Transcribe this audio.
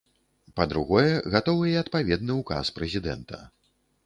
Па-другое, гатовы і адпаведны ўказ прэзідэнта.